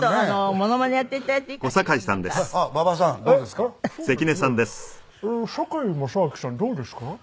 どうですか？